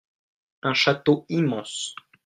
Un château immense.